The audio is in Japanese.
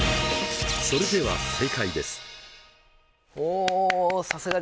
それでは正解です。